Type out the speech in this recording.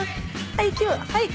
はい。